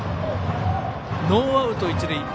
ノーアウト一塁。